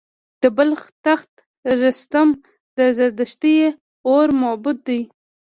د بلخ تخت رستم د زردشتي اور معبد دی